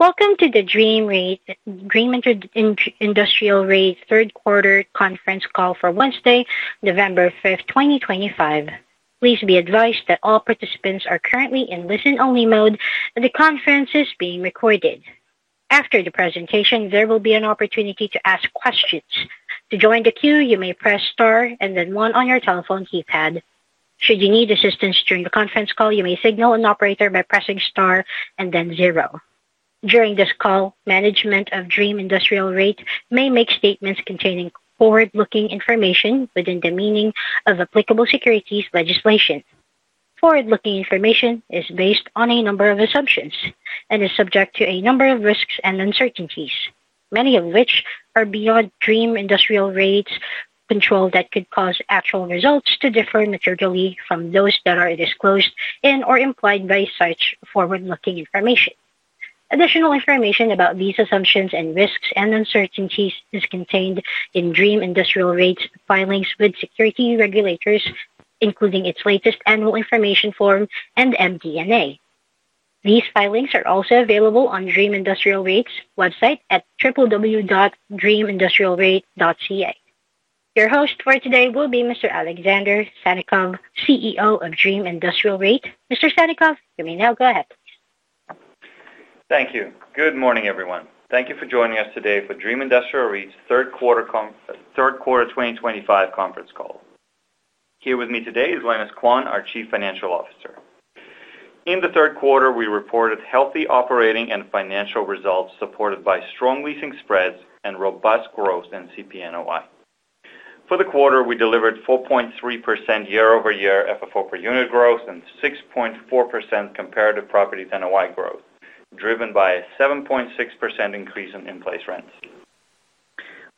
Welcome to the Dream Industrial REIT Quarter Conference call for Wednesday, November 5th, 2025. Please be advised that all participants are currently in listen-only mode and the conference is being recorded. After the presentation, there will be an opportunity to ask questions. To join the queue, you may press star and then one on your telephone keypad. Should you need assistance during the conference call, you may signal an operator by pressing star and then zero. During this call, management of Dream Industrial REIT may make statements containing forward-looking information within the meaning of applicable securities legislation. Forward-looking information is based on a number of assumptions and is subject to a number of risks and uncertainties, many of which are beyond Dream Industrial REIT's control that could cause actual results to differ materially from those that are disclosed in or implied by such forward-looking information. Additional information about these assumptions and risks and uncertainties is contained in Dream Industrial REIT's filings with security regulators, including its latest annual information form and MD&A. These filings are also available on Dream Industrial REIT's website at www.dreamindustrialrealestate.ca. Your host for today will be Mr. Alexander Sannikov, CEO of Dream Industrial REIT. Mr. Sannikov, you may now go ahead. Thank you. Good morning, everyone. Thank you for joining us today for Dream Industrial REIT's Third Quarter 2025 Conference Call. Here with me today is Lenis Quan, our Chief Financial Officer. In the third quarter, we reported healthy operating and financial results supported by strong leasing spreads and robust growth in CPNOI. For the quarter, we delivered 4.3% year-over-year FFO per unit growth and 6.4% comparative property NOI growth, driven by a 7.6% increase in in-place rents.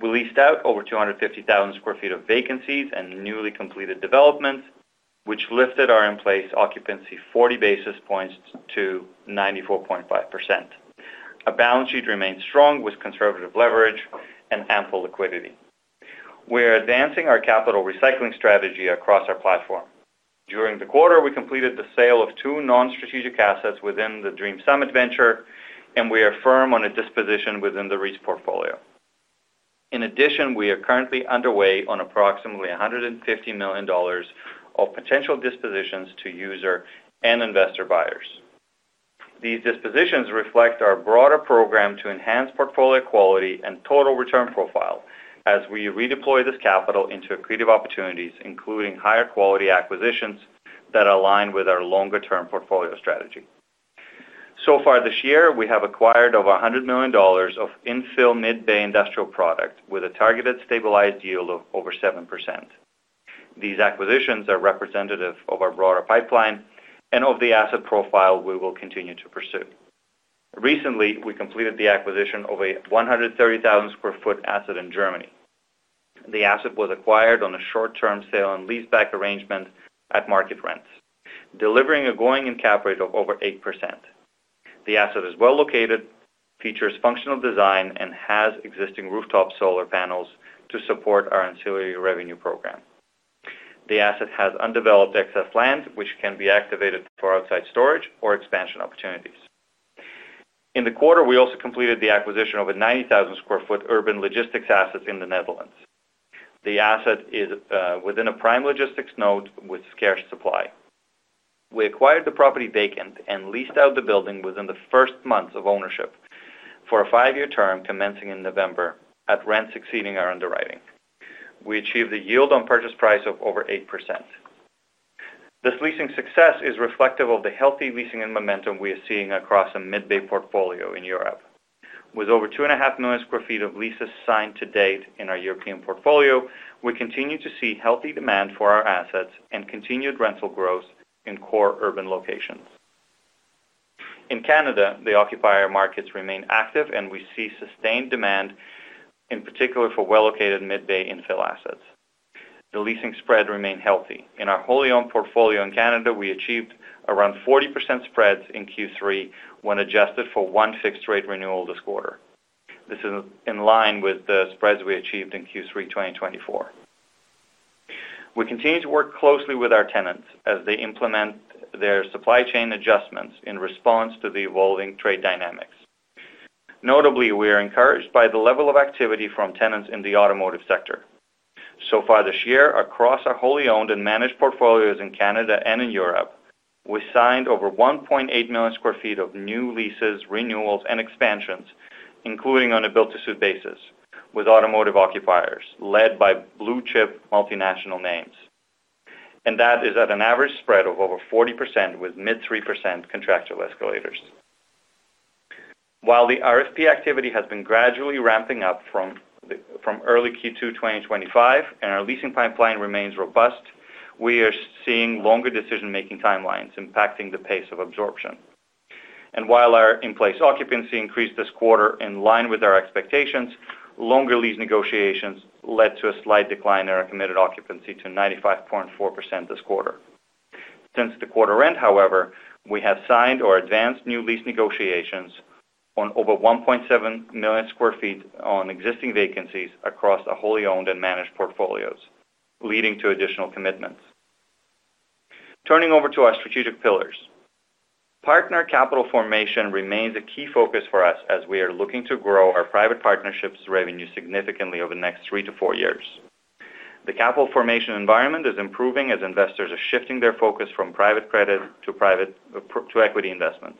We leased out over 250,000 sq ft of vacancies and newly completed developments, which lifted our in-place occupancy 40 basis points to 94.5%. Our balance sheet remained strong with conservative leverage and ample liquidity. We are advancing our capital recycling strategy across our platform. During the quarter, we completed the sale of two non-strategic assets within the Dream Summit venture, and we are firm on a disposition within the REIT's portfolio. In addition, we are currently underway on approximately 150 million dollars of potential dispositions to user and investor buyers. These dispositions reflect our broader program to enhance portfolio quality and total return profile as we redeploy this capital into accretive opportunities, including higher quality acquisitions that align with our longer-term portfolio strategy. So far this year, we have acquired over 100 million dollars of infill mid-bay industrial product with a targeted stabilized yield of over 7%. These acquisitions are representative of our broader pipeline and of the asset profile we will continue to pursue. Recently, we completed the acquisition of a 130,000 sq ft asset in Germany. The asset was acquired on a short-term sale and lease-back arrangement at market rents, delivering a going-in cap rate of over 8%. The asset is well located, features functional design, and has existing rooftop solar panels to support our ancillary revenue program. The asset has undeveloped excess land, which can be activated for outside storage or expansion opportunities. In the quarter, we also completed the acquisition of a 90,000 sq ft urban logistics asset in the Netherlands. The asset is within a prime logistics node with scarce supply. We acquired the property vacant and leased out the building within the first months of ownership for a five-year term commencing in November at rent succeeding our underwriting. We achieved a yield on purchase price of over 8%. This leasing success is reflective of the healthy leasing and momentum we are seeing across a mid-bay portfolio in Europe. With over 2.5 million sq ft of leases signed to date in our European portfolio, we continue to see healthy demand for our assets and continued rental growth in core urban locations. In Canada, the occupier markets remain active, and we see sustained demand, in particular for well-located mid-bay infill assets. The leasing spread remains healthy. In our wholly owned portfolio in Canada, we achieved around 40% spreads in Q3 when adjusted for one fixed-rate renewal this quarter. This is in line with the spreads we achieved in Q3 2024. We continue to work closely with our tenants as they implement their supply chain adjustments in response to the evolving trade dynamics. Notably, we are encouraged by the level of activity from tenants in the automotive sector. So far this year, across our wholly owned and managed portfolios in Canada and in Europe, we signed over 1.8 million sq ft of new leases, renewals, and expansions, including on a built-to-suit basis, with automotive occupiers led by blue-chip multinational names. That is at an average spread of over 40% with mid-3% contractual escalators. While the RFP activity has been gradually ramping up from early Q2 2025 and our leasing pipeline remains robust, we are seeing longer decision-making timelines impacting the pace of absorption. While our in-place occupancy increased this quarter in line with our expectations, longer lease negotiations led to a slight decline in our committed occupancy to 95.4% this quarter. Since the quarter end, however, we have signed or advanced new lease negotiations on over 1.7 million sq ft on existing vacancies across our wholly owned and managed portfolios, leading to additional commitments. Turning over to our strategic pillars, partner capital formation remains a key focus for us as we are looking to grow our private partnerships revenue significantly over the next three to four years. The capital formation environment is improving as investors are shifting their focus from private credit to equity investments.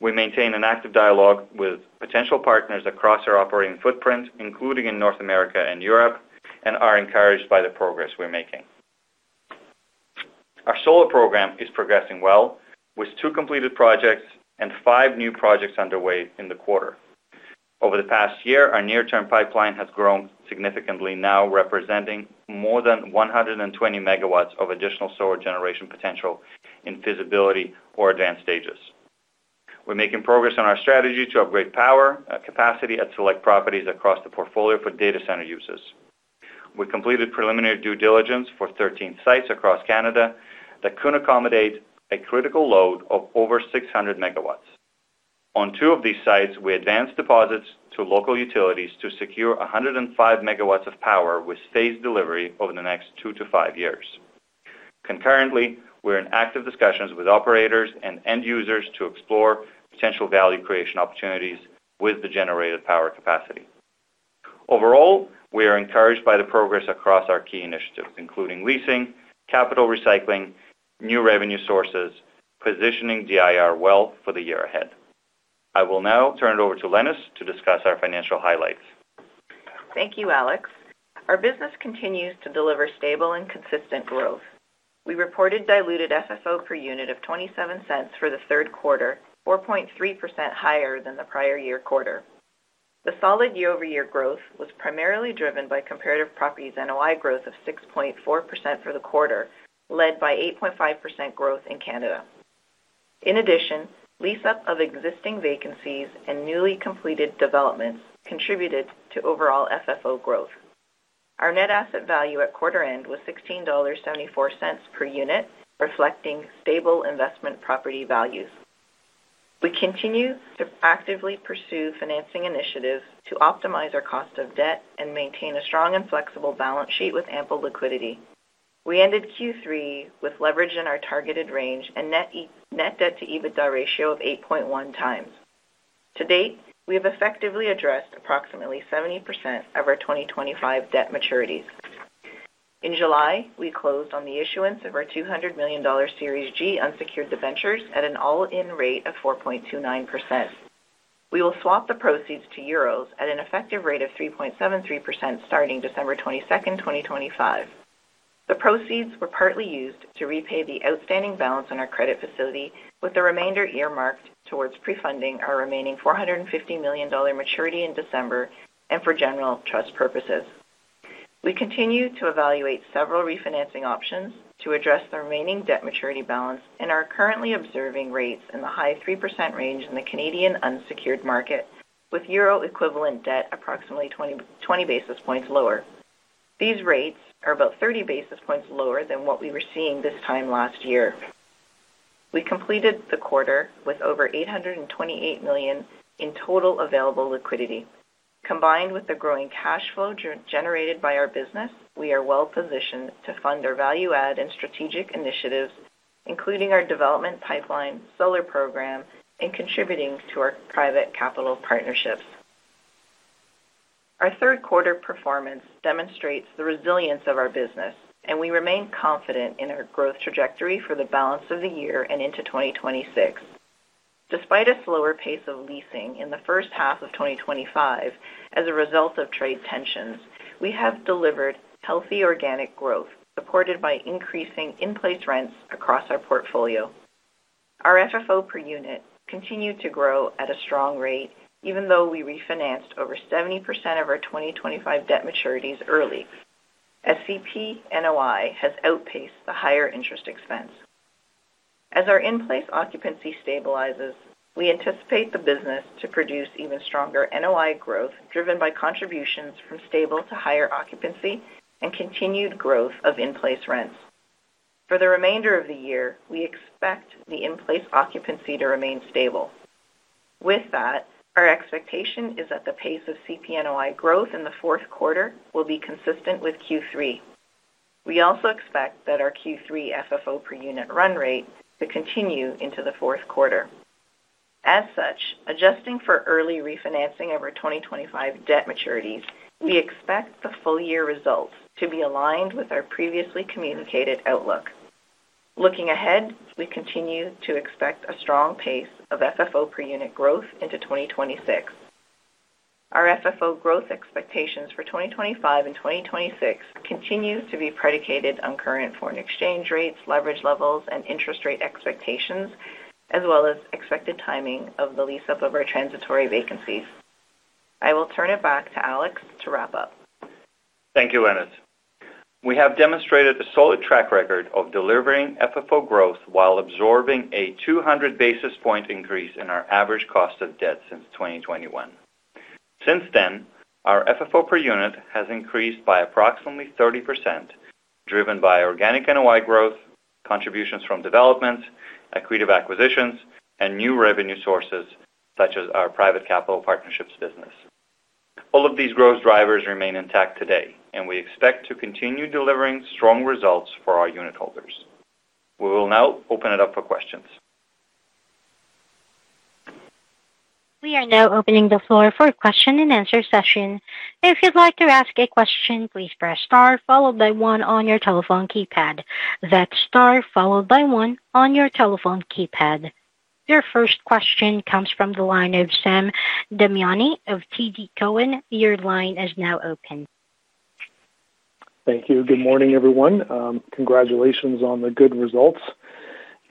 We maintain an active dialogue with potential partners across our operating footprint, including in North America and Europe, and are encouraged by the progress we're making. Our solar program is progressing well, with two completed projects and five new projects underway in the quarter. Over the past year, our near-term pipeline has grown significantly, now representing more than 120 megawatts of additional solar generation potential in feasibility or advanced stages. We're making progress on our strategy to upgrade power capacity at select properties across the portfolio for data center users. We completed preliminary due diligence for 13 sites across Canada that could accommodate a critical load of over 600 megawatts. On two of these sites, we advanced deposits to local utilities to secure 105 megawatts of power with phased delivery over the next two to five years. Concurrently, we're in active discussions with operators and end users to explore potential value creation opportunities with the generated power capacity. Overall, we are encouraged by the progress across our key initiatives, including leasing, capital recycling, new revenue sources, positioning DIR well for the year ahead. I will now turn it over to Lenis to discuss our financial highlights. Thank you, Alex. Our business continues to deliver stable and consistent growth. We reported diluted FFO per unit of $0.27 for the third quarter, 4.3% higher than the prior year quarter. The solid year-over-year growth was primarily driven by comparative properties NOI growth of 6.4% for the quarter, led by 8.5% growth in Canada. In addition, lease-up of existing vacancies and newly completed developments contributed to overall FFO growth. Our net asset value at quarter end was $16.74 per unit, reflecting stable investment property values. We continue to actively pursue financing initiatives to optimize our cost of debt and maintain a strong and flexible balance sheet with ample liquidity. We ended Q3 with leverage in our targeted range and net debt-to-EBITDA ratio of 8.1x. To date, we have effectively addressed approximately 70% of our 2025 debt maturities. In July, we closed on the issuance of our 200 million dollar Series G unsecured debentures at an all-in rate of 4.29%. We will swap the proceeds to euros at an effective rate of 3.73% starting December 22nd, 2025. The proceeds were partly used to repay the outstanding balance on our credit facility, with the remainder earmarked towards pre-funding our remaining 450 million dollar maturity in December and for general trust purposes. We continue to evaluate several refinancing options to address the remaining debt maturity balance and are currently observing rates in the high 3% range in the Canadian unsecured market, with euro equivalent debt approximately 20 basis points lower. These rates are about 30 basis points lower than what we were seeing this time last year. We completed the quarter with over 828 million in total available liquidity. Combined with the growing cash flow generated by our business, we are well positioned to fund our value-add and strategic initiatives, including our development pipeline, solar program, and contributing to our private capital partnerships. Our third quarter performance demonstrates the resilience of our business, and we remain confident in our growth trajectory for the balance of the year and into 2026. Despite a slower pace of leasing in the first half of 2025 as a result of trade tensions, we have delivered healthy organic growth supported by increasing in-place rents across our portfolio. Our FFO per unit continued to grow at a strong rate, even though we refinanced over 70% of our 2025 debt maturities early, as CPNOI has outpaced the higher interest expense. As our in-place occupancy stabilizes, we anticipate the business to produce even stronger NOI growth driven by contributions from stable to higher occupancy and continued growth of in-place rents. For the remainder of the year, we expect the in-place occupancy to remain stable. With that, our expectation is that the pace of CPNOI growth in the fourth quarter will be consistent with Q3. We also expect that our Q3 FFO per unit run rate to continue into the fourth quarter. As such, adjusting for early refinancing of our 2025 debt maturities, we expect the full year results to be aligned with our previously communicated outlook. Looking ahead, we continue to expect a strong pace of FFO per unit growth into 2026. Our FFO growth expectations for 2025 and 2026 continue to be predicated on current foreign exchange rates, leverage levels, and interest rate expectations, as well as expected timing of the lease-up of our transitory vacancies. I will turn it back to Alex to wrap up. Thank you, Lenis. We have demonstrated a solid track record of delivering FFO growth while absorbing a 200 basis point increase in our average cost of debt since 2021. Since then, our FFO per unit has increased by approximately 30%, driven by organic NOI growth, contributions from developments, accretive acquisitions, and new revenue sources such as our private capital partnerships business. All of these growth drivers remain intact today, and we expect to continue delivering strong results for our unit holders. We will now open it up for questions. We are now opening the floor for a question-and-answer session. If you'd like to ask a question, please press star followed by one on your telephone keypad. That's star followed by one on your telephone keypad. Your first question comes from the line of Sam Damiani of TD Cowen. Your line is now open. Thank you. Good morning, everyone. Congratulations on the good results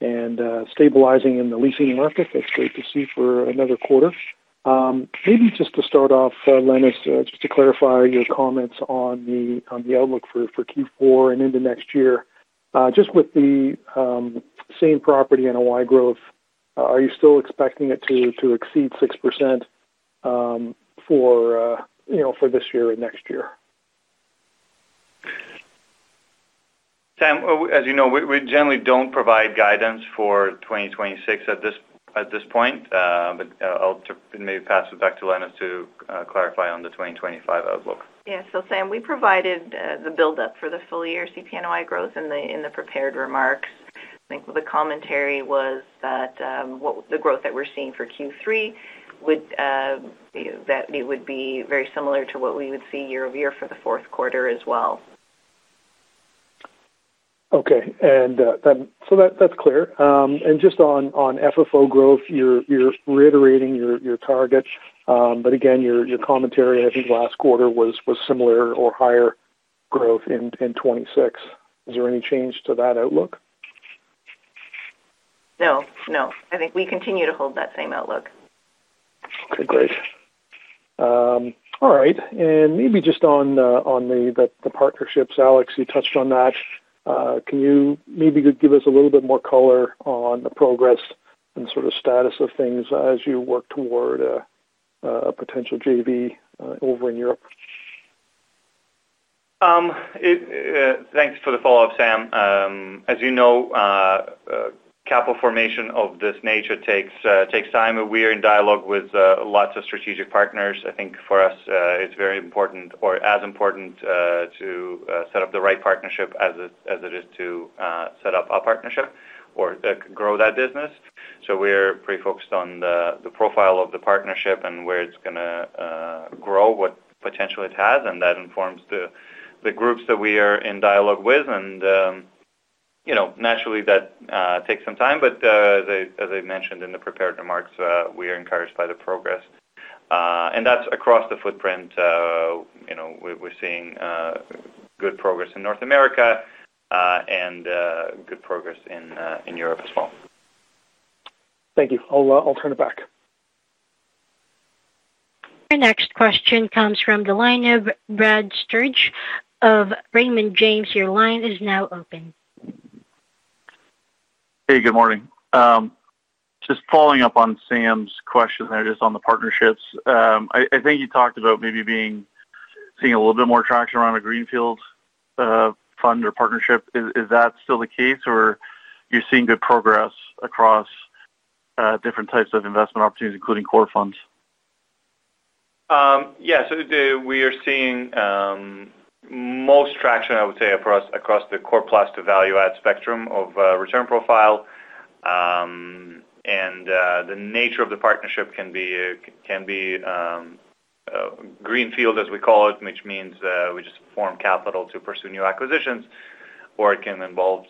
and stabilizing in the leasing market. That's great to see for another quarter. Maybe just to start off, Lenis, just to clarify your comments on the outlook for Q4 and into next year, just with the same property NOI growth, are you still expecting it to exceed 6% for this year and next year? Sam, as you know, we generally do not provide guidance for 2026 at this point. I'll maybe pass it back to Lenis to clarify on the 2025 outlook. Yeah. So, Sam, we provided the build-up for the full year CPNOI growth in the prepared remarks. I think the commentary was that the growth that we're seeing for Q3 would be very similar to what we would see year-over-year for the fourth quarter as well. Okay. That is clear. Just on FFO growth, you are reiterating your target. Again, your commentary, I think last quarter was similar or higher growth in 2026. Is there any change to that outlook? No. No. I think we continue to hold that same outlook. Okay. Great. All right. Maybe just on the partnerships, Alex, you touched on that. Can you maybe give us a little bit more color on the progress and sort of status of things as you work toward a potential JV over in Europe? Thanks for the follow-up, Sam. As you know, capital formation of this nature takes time. We're in dialogue with lots of strategic partners. I think for us, it's very important or as important to set up the right partnership as it is to set up a partnership or grow that business. We're pretty focused on the profile of the partnership and where it's going to grow, what potential it has, and that informs the groups that we are in dialogue with. Naturally, that takes some time. As I mentioned in the prepared remarks, we are encouraged by the progress. That's across the footprint. We're seeing good progress in North America and good progress in Europe as well. Thank you. I'll turn it back. Our next question comes from the line of Brad Sturges of Raymond James. Your line is now open. Hey, good morning. Just following up on Sam's question there just on the partnerships. I think you talked about maybe seeing a little bit more traction around a greenfield fund or partnership. Is that still the case, or are you seeing good progress across different types of investment opportunities, including core funds? Yeah. We are seeing most traction, I would say, across the core plus to value-add spectrum of return profile. The nature of the partnership can be greenfield, as we call it, which means we just form capital to pursue new acquisitions, or it can involve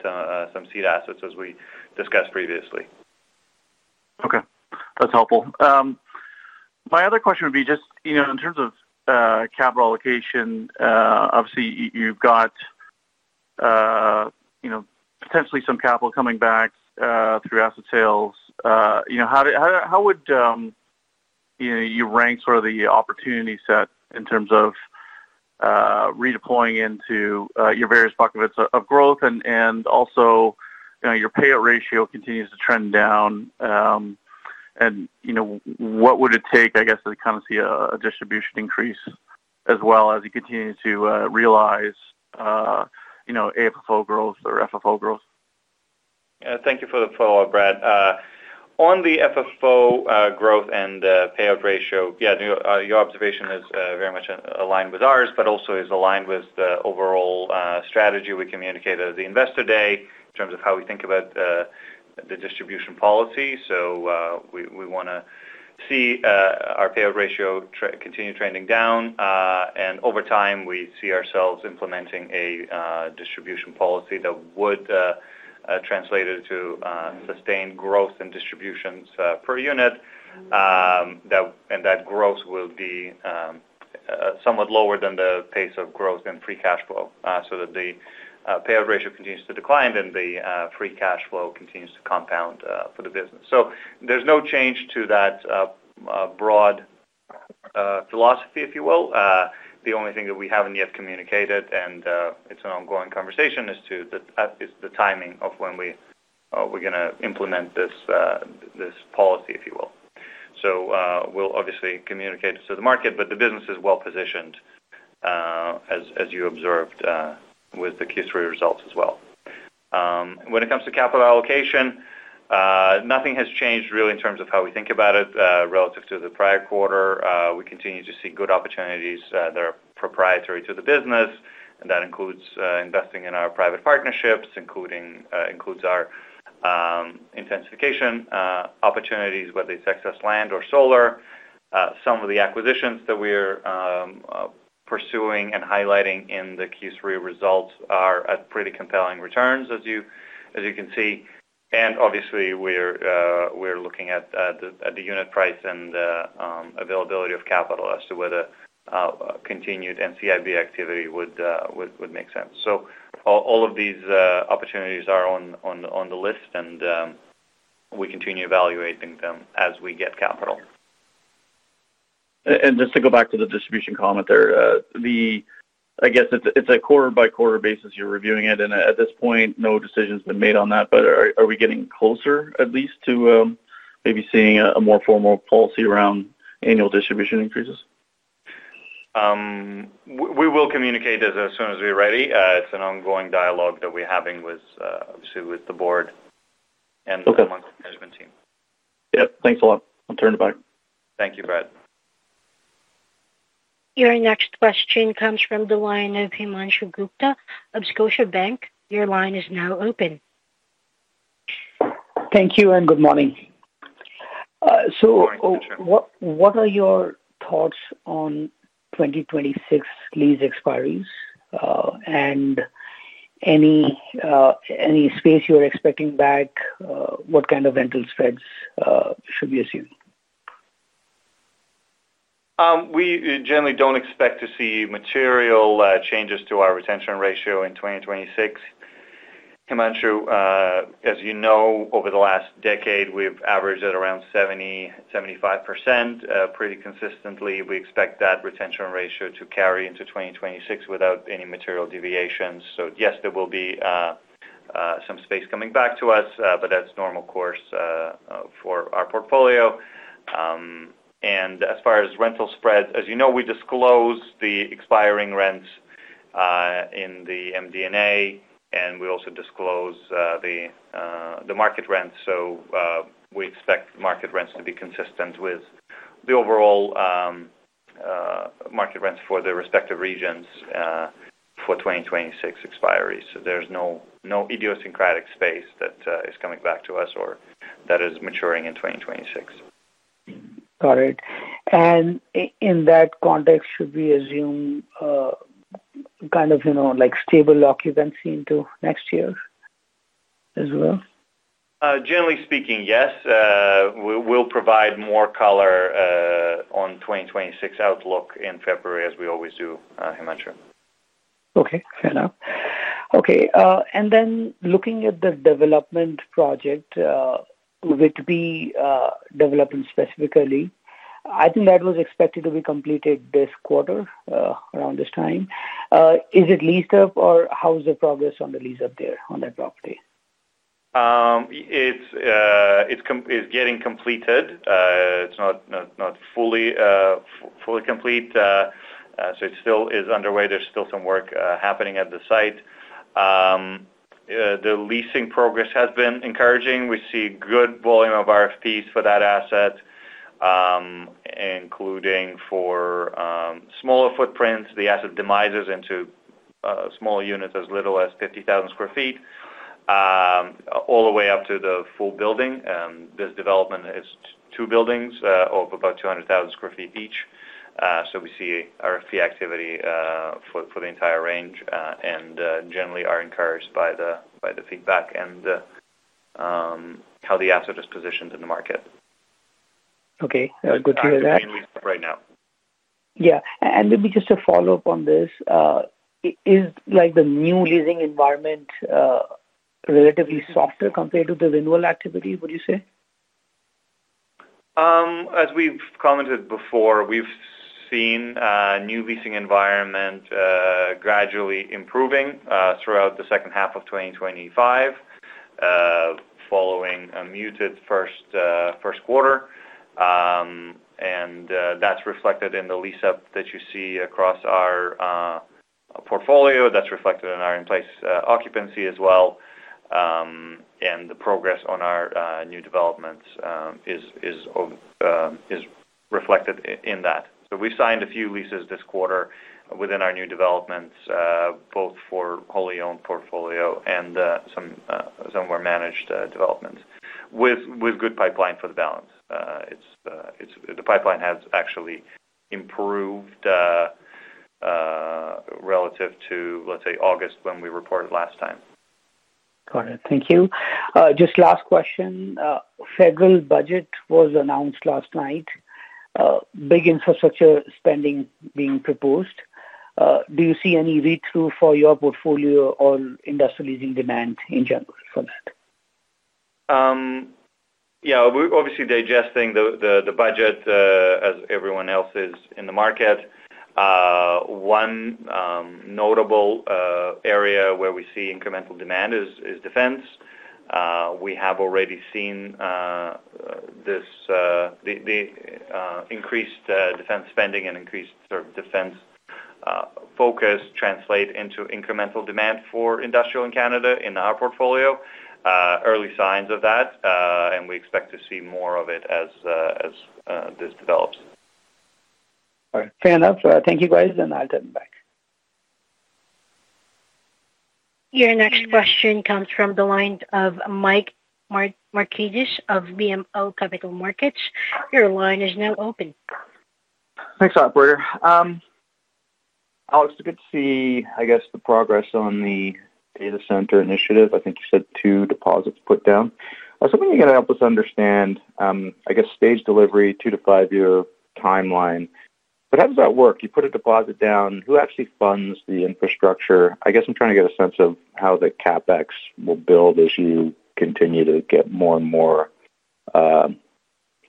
some seed assets, as we discussed previously. Okay. That's helpful. My other question would be just in terms of capital allocation, obviously, you've got potentially some capital coming back through asset sales. How would you rank sort of the opportunity set in terms of redeploying into your various buckets of growth? Also, your payout ratio continues to trend down. What would it take, I guess, to kind of see a distribution increase as well as you continue to realize AFFO growth or FFO growth? Yeah. Thank you for the follow-up, Brad. On the FFO growth and payout ratio, yeah, your observation is very much aligned with ours, but also is aligned with the overall strategy we communicated at the investor day in terms of how we think about the distribution policy. We want to see our payout ratio continue trending down. Over time, we see ourselves implementing a distribution policy that would translate into sustained growth in distributions per unit. That growth will be somewhat lower than the pace of growth in free cash flow so that the payout ratio continues to decline and the free cash flow continues to compound for the business. There is no change to that broad philosophy, if you will. The only thing that we have not yet communicated, and it is an ongoing conversation, is the timing of when we are going to implement this. Policy, if you will. We will obviously communicate it to the market, but the business is well positioned. As you observed with the Q3 results as well. When it comes to capital allocation, nothing has changed really in terms of how we think about it relative to the prior quarter. We continue to see good opportunities that are proprietary to the business, and that includes investing in our private partnerships, including our intensification opportunities, whether it is excess land or solar. Some of the acquisitions that we are pursuing and highlighting in the Q3 results are at pretty compelling returns, as you can see. We are looking at the unit price and availability of capital as to whether continued NCIB activity would make sense. All of these opportunities are on the list, and we continue evaluating them as we get capital. Just to go back to the distribution comment there, I guess it's a quarter-by-quarter basis you're reviewing it. At this point, no decision has been made on that. Are we getting closer, at least, to maybe seeing a more formal policy around annual distribution increases? We will communicate as soon as we're ready. It's an ongoing dialogue that we're having with the board and the monthly management team. Yep. Thanks a lot. I'll turn it back. Thank you, Brad. Your next question comes from the line of Himanshu Gupta of Scotiabank. Your line is now open. Thank you and good morning. So. Morning, Himanshu. What are your thoughts on 2026 lease expiries? Any space you're expecting back? What kind of rental spreads should we assume? We generally don't expect to see material changes to our retention ratio in 2026. Himanshu, as you know, over the last decade, we've averaged at around 70%-75% pretty consistently. We expect that retention ratio to carry into 2026 without any material deviations. Yes, there will be some space coming back to us, but that's normal course for our portfolio. As far as rental spreads, as you know, we disclose the expiring rents in the MD&A, and we also disclose the market rents. We expect market rents to be consistent with the overall market rents for the respective regions for 2026 expiries. There's no idiosyncratic space that is coming back to us or that is maturing in 2026. Got it. In that context, should we assume kind of stable occupancy into next year as well? Generally speaking, yes. We'll provide more color on 2026 outlook in February, as we always do, Himanshu. Okay. Fair enough. Okay. And then looking at the development project. With the development specifically, I think that was expected to be completed this quarter, around this time. Is it leased up, or how is the progress on the lease up there on that property? It's getting completed. It's not fully complete, so it still is underway. There's still some work happening at the site. The leasing progress has been encouraging. We see good volume of RFPs for that asset, including for smaller footprints. The asset demises into smaller units as little as 50,000 sq ft all the way up to the full building. This development is two buildings of about 200,000 sq ft each. We see RFP activity for the entire range and generally are encouraged by the feedback and how the asset is positioned in the market. Okay. Good to hear that. That's mainly right now. Yeah. Maybe just a follow-up on this. Is the new leasing environment relatively softer compared to the renewal activity, would you say? As we've commented before, we've seen a new leasing environment. Gradually improving throughout the second half of 2025, following a muted first quarter. That is reflected in the lease up that you see across our portfolio. That is reflected in our in-place occupancy as well, and the progress on our new developments is reflected in that. We've signed a few leases this quarter within our new developments, both for wholly owned portfolio and some more managed developments, with good pipeline for the balance. The pipeline has actually improved relative to, let's say, August when we reported last time. Got it. Thank you. Just last question. Federal budget was announced last night. Big infrastructure spending being proposed. Do you see any read-through for your portfolio or industrial leasing demand in general for that? Yeah. We're obviously digesting the budget as everyone else is in the market. One notable area where we see incremental demand is defense. We have already seen the increased defense spending and increased sort of defense focus translate into incremental demand for industrial in Canada in our portfolio. Early signs of that, and we expect to see more of it as this develops. All right. Fair enough. Thank you, guys. I'll turn it back. Your next question comes from the line of Mike Markidis of BMO Capital Markets. Your line is now open. Thanks, Operator. Alex, good to see, I guess, the progress on the data center initiative. I think you said two deposits put down. When you can help us understand, I guess, stage delivery, two- to five-year timeline. How does that work? You put a deposit down. Who actually funds the infrastructure? I guess I'm trying to get a sense of how the CapEx will build as you continue to get more and more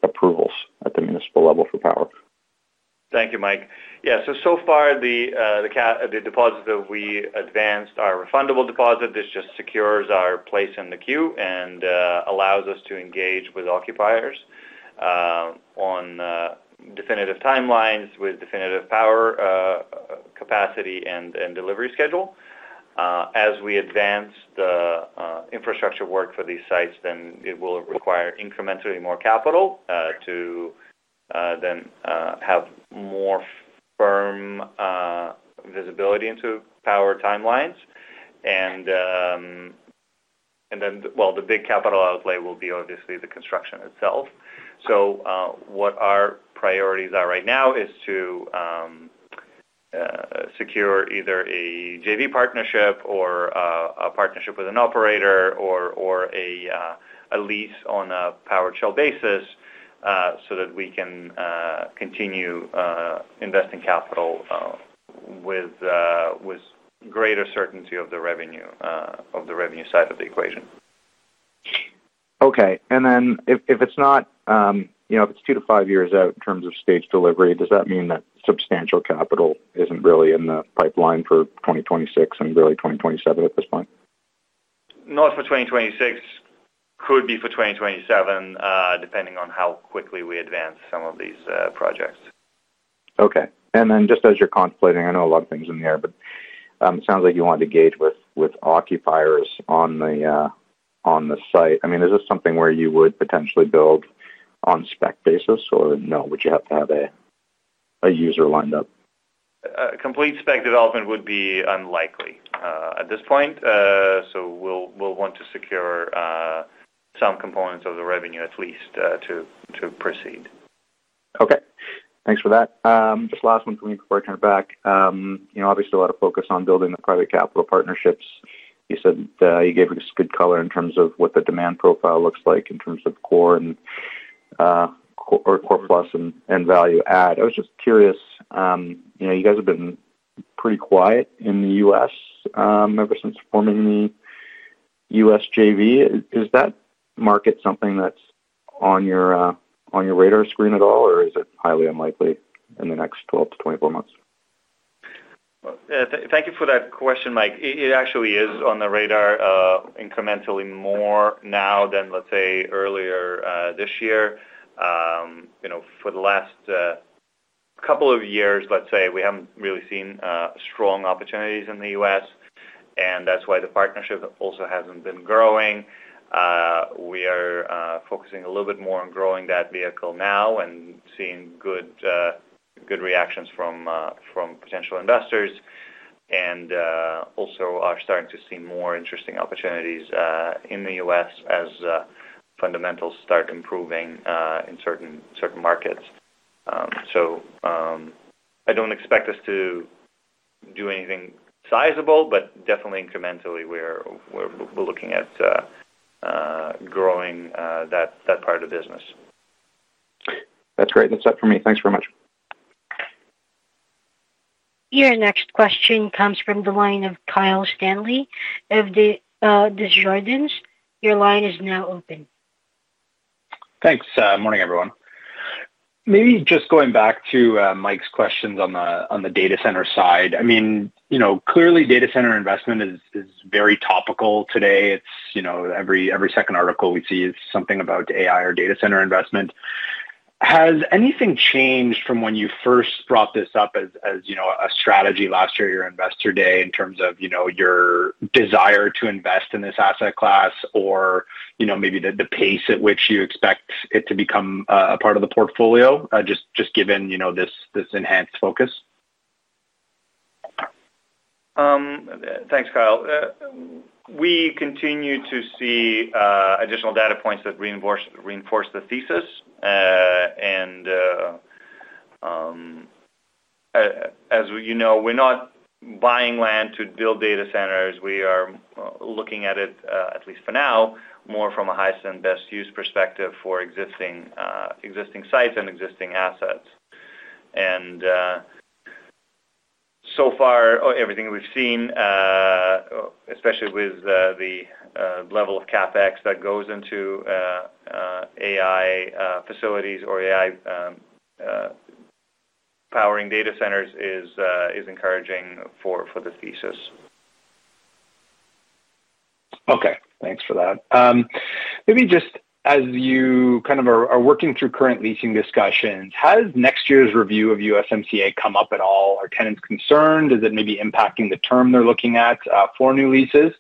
approvals at the municipal level for power. Thank you, Mike. Yeah. So far, the deposit that we advanced, our refundable deposit, this just secures our place in the queue and allows us to engage with occupiers on definitive timelines with definitive power capacity and delivery schedule. As we advance the infrastructure work for these sites, then it will require incrementally more capital to then have more firm visibility into power timelines. The big capital outlay will be obviously the construction itself. What our priorities are right now is to secure either a JV partnership or a partnership with an operator or a lease on a power chill basis so that we can continue investing capital with greater certainty of the revenue side of the equation. Okay. If it's not, if it's two to five years out in terms of stage delivery, does that mean that substantial capital isn't really in the pipeline for 2026 and really 2027 at this point? Not for 2026. Could be for 2027, depending on how quickly we advance some of these projects. Okay. And then just as you're contemplating, I know a lot of things in the air, but it sounds like you wanted to engage with occupiers on the site. I mean, is this something where you would potentially build on a spec basis or no, would you have to have a user lined up? Complete spec development would be unlikely at this point. We will want to secure some components of the revenue at least to proceed. Okay. Thanks for that. Just last one for me before I turn it back. Obviously, a lot of focus on building the private capital partnerships. You said you gave us good color in terms of what the demand profile looks like in terms of core plus and value add. I was just curious. You guys have been pretty quiet in the U.S. ever since forming the U.S. JV. Is that market something that's on your radar screen at all, or is it highly unlikely in the next 12 to 24 months? Thank you for that question, Mike. It actually is on the radar incrementally more now than, let's say, earlier this year. For the last couple of years, let's say, we haven't really seen strong opportunities in the U.S. and that's why the partnership also hasn't been growing. We are focusing a little bit more on growing that vehicle now and seeing good reactions from potential investors. And also are starting to see more interesting opportunities in the U.S. as fundamentals start improving in certain markets. I don't expect us to do anything sizable, but definitely incrementally, we're looking at growing that part of the business. That's great. That's it for me. Thanks very much. Your next question comes from the line of Kyle Stanley of Desjardins. Your line is now open. Thanks. Morning, everyone. Maybe just going back to Mike's questions on the data center side. I mean, clearly, data center investment is very topical today. Every second article we see is something about AI or data center investment. Has anything changed from when you first brought this up as a strategy last year at your investor day in terms of your desire to invest in this asset class or maybe the pace at which you expect it to become a part of the portfolio, just given this enhanced focus? Thanks, Kyle. We continue to see additional data points that reinforce the thesis. As you know, we're not buying land to build data centers. We are looking at it, at least for now, more from a highest and best use perspective for existing sites and existing assets. So far, everything we've seen, especially with the level of CapEx that goes into AI facilities or AI powering data centers, is encouraging for the thesis. Okay. Thanks for that. Maybe just as you kind of are working through current leasing discussions, has next year's review of USMCA come up at all? Are tenants concerned? Is it maybe impacting the term they're looking at for new leases?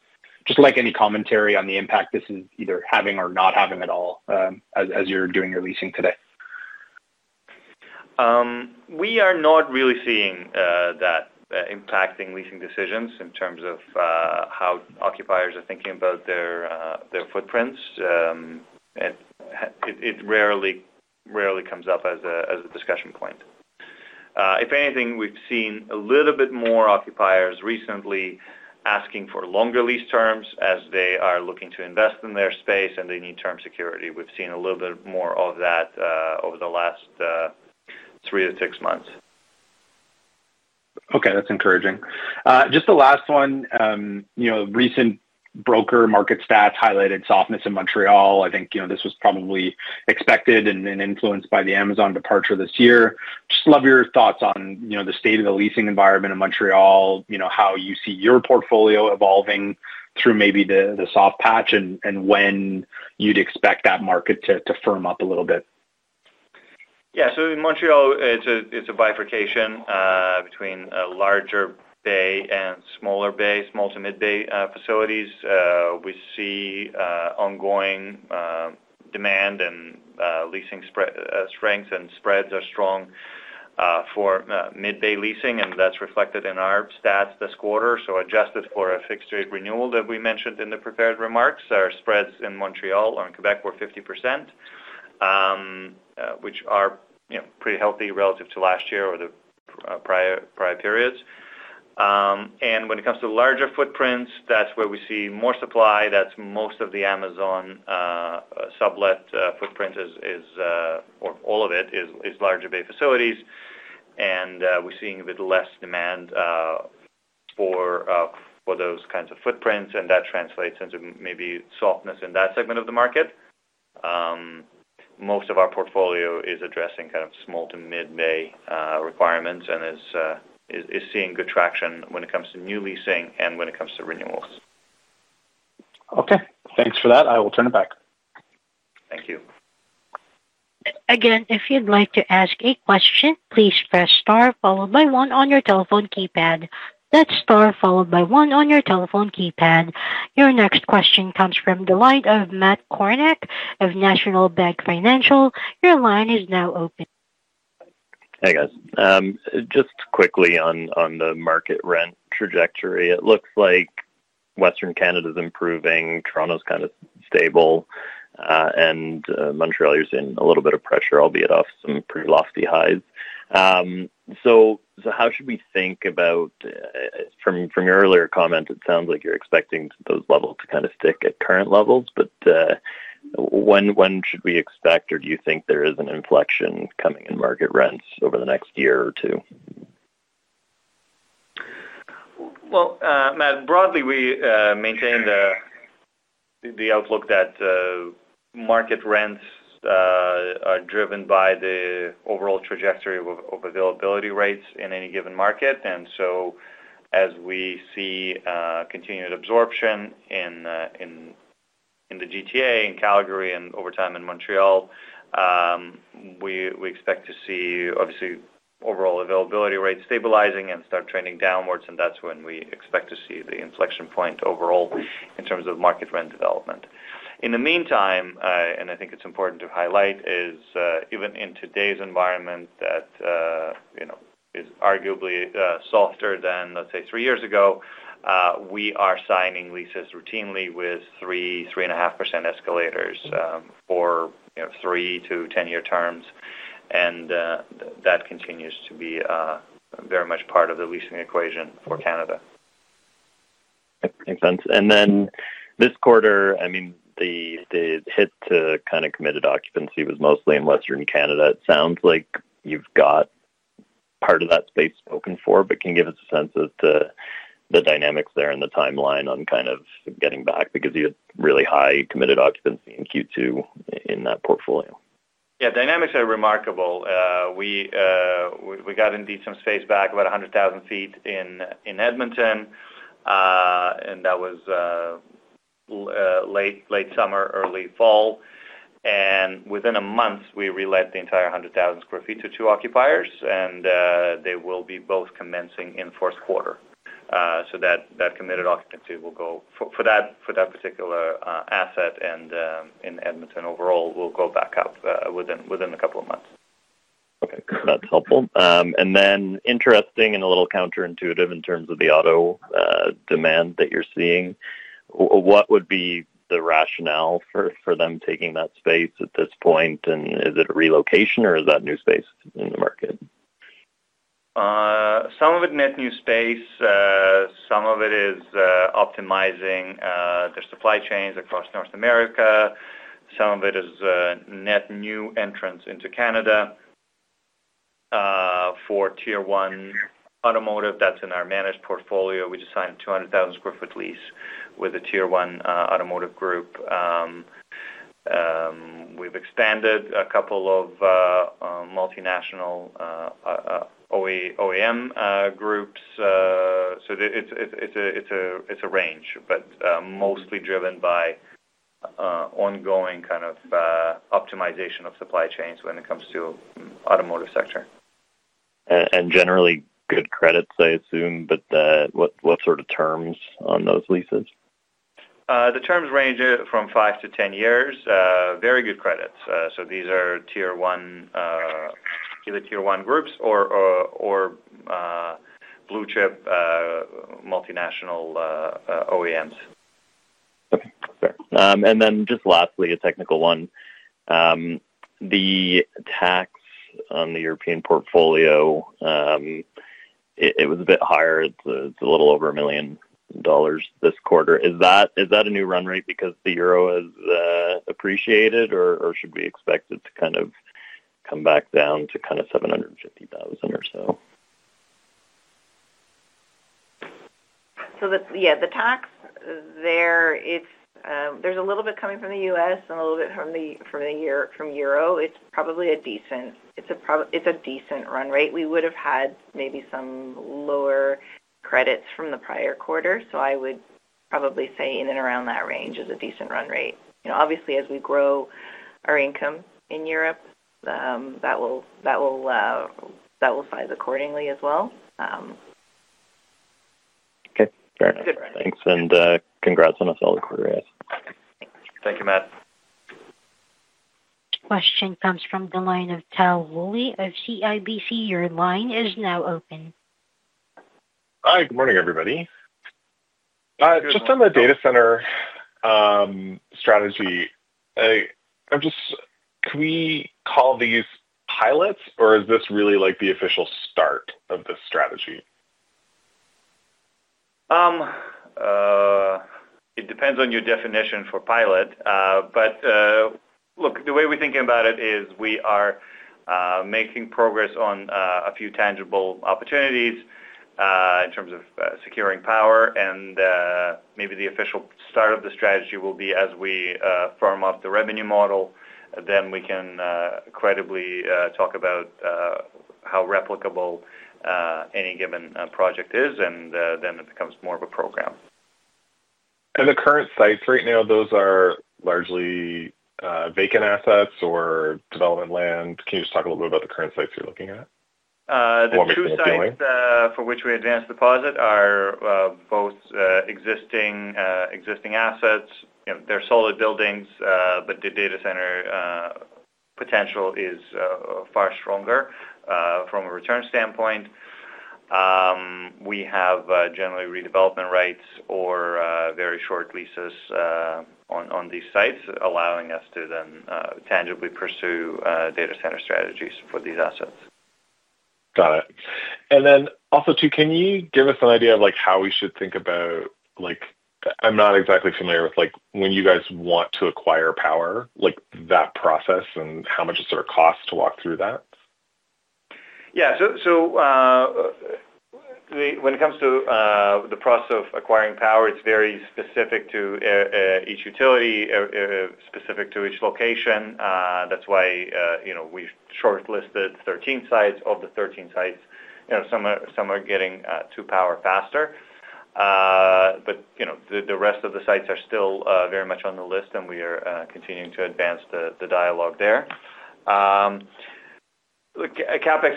Just like any commentary on the impact this is either having or not having at all. As you're doing your leasing today? We are not really seeing that impacting leasing decisions in terms of how occupiers are thinking about their footprints. It rarely comes up as a discussion point. If anything, we've seen a little bit more occupiers recently asking for longer lease terms as they are looking to invest in their space and they need term security. We've seen a little bit more of that over the last three to six months. Okay. That's encouraging. Just the last one. Recent broker market stats highlighted softness in Montreal. I think this was probably expected and influenced by the Amazon departure this year. Just love your thoughts on the state of the leasing environment in Montreal, how you see your portfolio evolving through maybe the soft patch and when you'd expect that market to firm up a little bit. Yeah. In Montreal, it's a bifurcation between a larger bay and smaller bay, small to mid-bay facilities. We see ongoing demand and leasing strength, and spreads are strong for mid-bay leasing, and that's reflected in our stats this quarter. Adjusted for a fixed-rate renewal that we mentioned in the prepared remarks, our spreads in Montreal or in Quebec were 50%, which are pretty healthy relative to last year or the prior periods. When it comes to larger footprints, that's where we see more supply. That's most of the Amazon sublet footprint. All of it is larger bay facilities, and we're seeing a bit less demand for those kinds of footprints, and that translates into maybe softness in that segment of the market. Most of our portfolio is addressing kind of small to mid-bay requirements and is. Seeing good traction when it comes to new leasing and when it comes to renewals. Okay. Thanks for that. I will turn it back. Thank you. Again, if you'd like to ask a question, please press star followed by one on your telephone keypad. That's star followed by one on your telephone keypad. Your next question comes from the line of Matt Kornack of National Bank Financial. Your line is now open. Hey, guys. Just quickly on the market rent trajectory. It looks like Western Canada is improving. Toronto's kind of stable. Montreal is in a little bit of pressure, albeit off some pretty lofty highs. How should we think about, from your earlier comment, it sounds like you're expecting those levels to kind of stick at current levels. When should we expect or do you think there is an inflection coming in market rents over the next year or two? Matt, broadly, we maintain the outlook that market rents are driven by the overall trajectory of availability rates in any given market. As we see continued absorption in the GTA, in Calgary, and over time in Montreal, we expect to see, obviously, overall availability rates stabilizing and start trending downwards. That is when we expect to see the inflection point overall in terms of market rent development. In the meantime, and I think it is important to highlight, even in today's environment that is arguably softer than, let's say, three years ago, we are signing leases routinely with 3%-3.5% escalators for three- to ten-year terms. That continues to be very much part of the leasing equation for Canada. Makes sense. This quarter, I mean, the hit to kind of committed occupancy was mostly in Western Canada. It sounds like you've got part of that space spoken for, but can you give us a sense of the dynamics there and the timeline on kind of getting back because you had really high committed occupancy in Q2 in that portfolio. Yeah. Dynamics are remarkable. We got indeed some space back, about 100,000 sq ft in Edmonton. That was late summer, early fall. Within a month, we relet the entire 100,000 sq ft to two occupiers. They will both be commencing in fourth quarter. That committed occupancy will go for that particular asset, and in Edmonton overall, will go back up within a couple of months. Okay. That's helpful. Interesting and a little counterintuitive in terms of the auto demand that you're seeing. What would be the rationale for them taking that space at this point? Is it a relocation, or is that new space in the market? Some of it net new space. Some of it is optimizing their supply chains across North America. Some of it is net new entrance into Canada. For tier one automotive, that is in our managed portfolio. We just signed a 200,000 sq ft lease with a tier one automotive group. We have expanded a couple of multinational OEM groups. It is a range, but mostly driven by ongoing kind of optimization of supply chains when it comes to the automotive sector. Generally good credits, I assume, but what sort of terms on those leases? The terms range from 5 to 10 years. Very good credits. So these are tier one groups or blue chip multinational OEMs. Okay. Sure. Lastly, a technical one. The tax on the European portfolio, it was a bit higher. It is a little over EUR 1 million this quarter. Is that a new run rate because the euro has appreciated, or should we expect it to come back down to around 750,000 or so? Yeah, the tax. There is a little bit coming from the U.S. and a little bit from the euro. It is probably a decent run rate. We would have had maybe some lower credits from the prior quarter. I would probably say in and around that range is a decent run rate. Obviously, as we grow our income in Europe, that will slide accordingly as well. Okay. All right. Thanks. Congrats on a solid quarter, guys. Thanks. Thank you, Matt. Question comes from the line of Tal Woolley of CIBC. Your line is now open. Hi. Good morning, everybody. Just on the data center strategy. Can we call these pilots, or is this really the official start of this strategy? It depends on your definition for pilot. Look, the way we're thinking about it is we are making progress on a few tangible opportunities in terms of securing power. Maybe the official start of the strategy will be as we firm up the revenue model. Then we can credibly talk about how replicable any given project is, and then it becomes more of a program. The current sites right now, those are largely vacant assets or development land? Can you just talk a little bit about the current sites you're looking at? The two sites for which we advanced deposit are both existing assets. They're solid buildings, but the data center potential is far stronger from a return standpoint. We have generally redevelopment rights or very short leases on these sites, allowing us to then tangibly pursue data center strategies for these assets. Got it. Also, can you give us an idea of how we should think about, I am not exactly familiar with when you guys want to acquire power, that process and how much it sort of costs to walk through that? Yeah. When it comes to the process of acquiring power, it's very specific to each utility, specific to each location. That's why we shortlisted 13 sites. Of the 13 sites, some are getting to power faster. The rest of the sites are still very much on the list, and we are continuing to advance the dialogue there. CapEx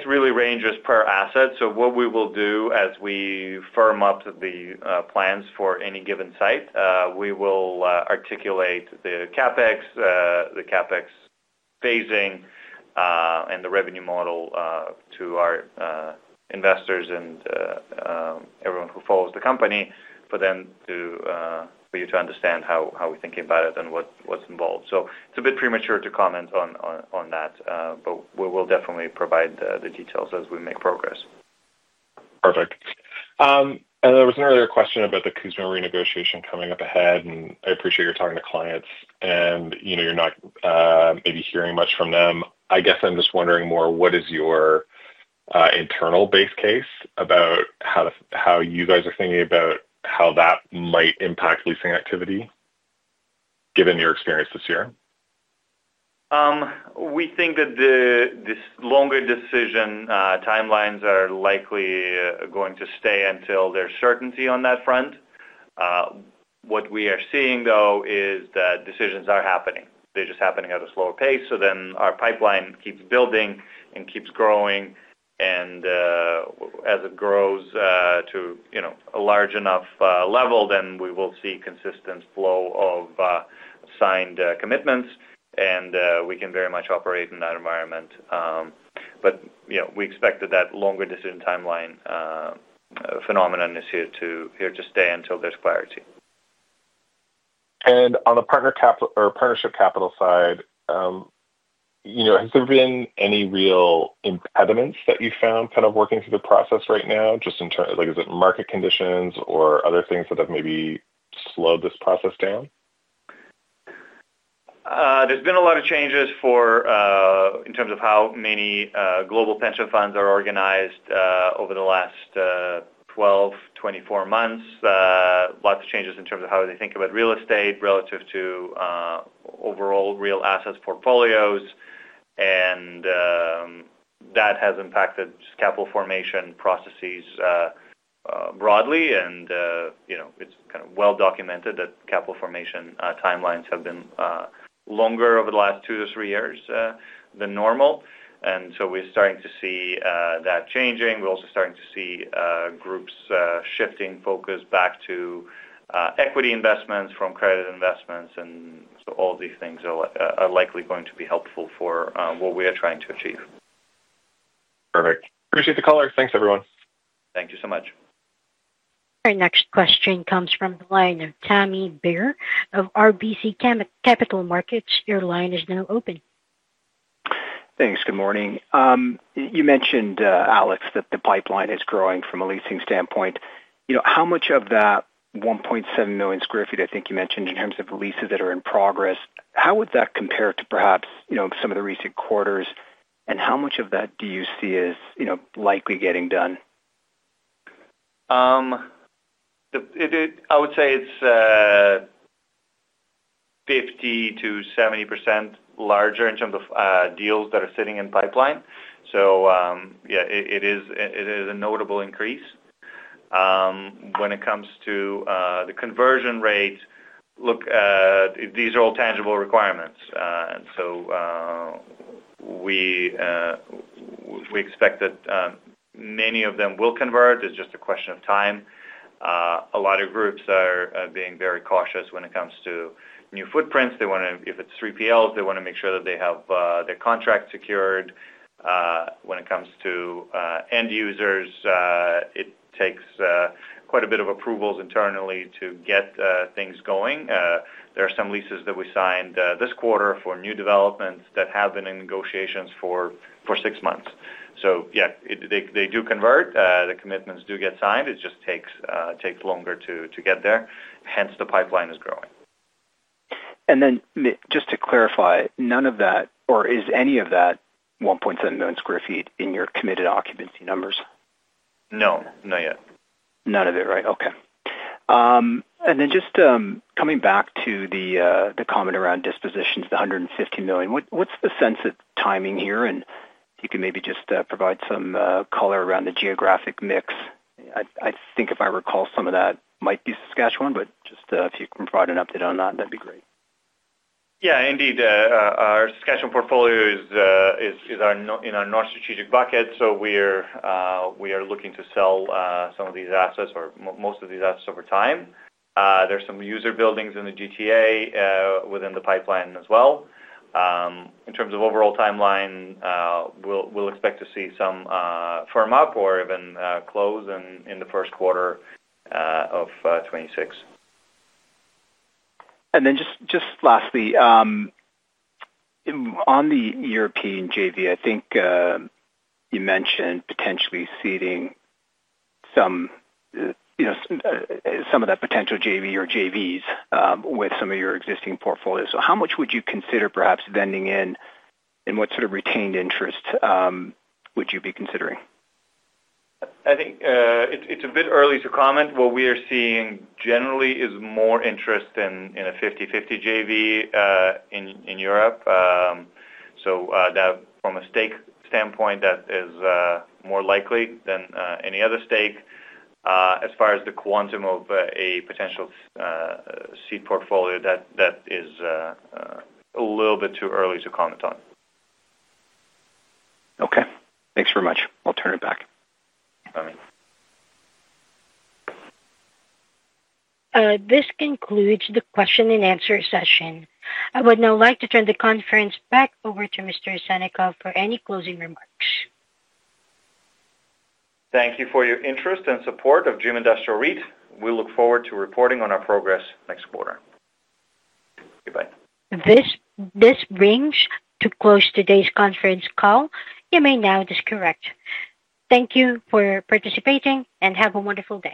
really ranges per asset. What we will do as we firm up the plans for any given site, we will articulate the CapEx, the CapEx phasing, and the revenue model to our investors and everyone who follows the company, for them, for you to understand how we're thinking about it and what's involved. It's a bit premature to comment on that, but we will definitely provide the details as we make progress. Perfect. There was an earlier question about the Kuzma renegotiation coming up ahead, and I appreciate you're talking to clients and you're not maybe hearing much from them. I guess I'm just wondering more, what is your internal base case about how you guys are thinking about how that might impact leasing activity, given your experience this year? We think that this longer decision timelines are likely going to stay until there's certainty on that front. What we are seeing, though, is that decisions are happening. They're just happening at a slower pace. Our pipeline keeps building and keeps growing. As it grows to a large enough level, we will see consistent flow of signed commitments, and we can very much operate in that environment. We expect that that longer decision timeline phenomenon is here to stay until there's clarity. On the partner capital or partnership capital side, has there been any real impediments that you found kind of working through the process right now? Just in terms of market conditions or other things that have maybe slowed this process down? has been a lot of changes in terms of how many global pension funds are organized over the last 12-24 months. Lots of changes in terms of how they think about real estate relative to overall real assets portfolios. That has impacted capital formation processes broadly. It is kind of well documented that capital formation timelines have been longer over the last two to three years than normal. We are starting to see that changing. We are also starting to see groups shifting focus back to equity investments from credit investments. All these things are likely going to be helpful for what we are trying to achieve. Perfect. Appreciate the call. Thanks, everyone. Thank you so much. Our next question comes from the line of Tommy Bear of RBC Capital Markets. Your line is now open. Thanks. Good morning. You mentioned, Alex, that the pipeline is growing from a leasing standpoint. How much of that 1.7 million sq ft, I think you mentioned, in terms of leases that are in progress, how would that compare to perhaps some of the recent quarters? How much of that do you see is likely getting done? I would say it's 50-70% larger in terms of deals that are sitting in pipeline. So yeah, it is a notable increase. When it comes to the conversion rate, look. These are all tangible requirements. So. We expect that many of them will convert. It's just a question of time. A lot of groups are being very cautious when it comes to new footprints. If it's 3PLs, they want to make sure that they have their contract secured. When it comes to end users, it takes quite a bit of approvals internally to get things going. There are some leases that we signed this quarter for new developments that have been in negotiations for six months. So yeah, they do convert. The commitments do get signed. It just takes longer to get there. Hence, the pipeline is growing. Just to clarify, none of that, or is any of that 1.7 million sq ft in your committed occupancy numbers? No. Not yet. None of it, right? Okay. Just coming back to the comment around dispositions, the 150 million, what's the sense of timing here? If you can maybe just provide some color around the geographic mix. I think if I recall, some of that might be Saskatchewan, but just if you can provide an update on that, that'd be great. Yeah, indeed. Our Saskatchewan portfolio is in our non-strategic bucket. So we are looking to sell some of these assets or most of these assets over time. There's some user buildings in the GTA within the pipeline as well. In terms of overall timeline, we'll expect to see some firm up or even close in the first quarter of 2026. Just lastly, on the European JV, I think you mentioned potentially seeding some of that potential JV or JVs with some of your existing portfolio. How much would you consider perhaps vending in, and what sort of retained interest would you be considering? I think it's a bit early to comment. What we are seeing generally is more interest in a 50/50 JV in Europe. From a stake standpoint, that is more likely than any other stake. As far as the quantum of a potential seed portfolio, that is a little bit too early to comment on. Okay. Thanks very much. I'll turn it back. Bye. This concludes the question and answer session. I would now like to turn the conference back over to Mr. Sannikov for any closing remarks. Thank you for your interest and support of Dream Industrial REIT. We look forward to reporting on our progress next quarter. Goodbye. This brings to a close today's conference call. You may now disconnect. Thank you for participating and have a wonderful day.